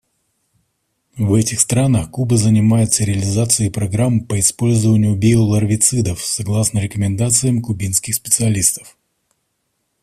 В этих странах Куба занимается реализацией программ по использованию биоларвицидов согласно рекомендациям кубинских специалистов.